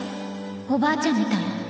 おばあちゃんみ